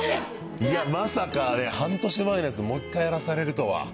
いやー、まさか半年前のやつ、もう一回やらされるとは。